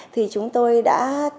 thì chúng tôi đã